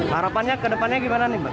harapannya ke depannya gimana nih mbak